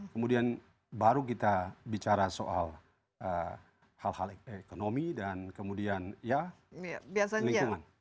kemudian baru kita bicara soal hal hal ekonomi dan kemudian ya lingkungan